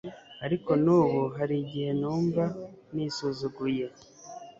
ariko n'ubu hari igihe numva nisuzuguye